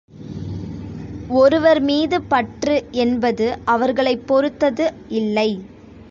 ஒருவர் மீது பற்று என்பது அவர்களைப் பொறுத்தது இல்லை.